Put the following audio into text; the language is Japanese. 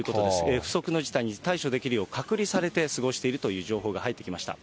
不測の事態に対処できるよう、隔離されて過ごしているという情報が入ってきました。